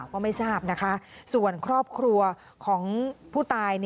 ก็ไม่ทราบนะคะส่วนครอบครัวของผู้ตาย